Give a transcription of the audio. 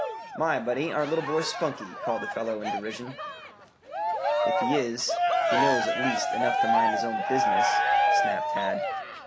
"My, but ain't our little boy spunky!" called the fellow in derision. "If he is, he knows, at least, enough to mind his own business," snapped Tad.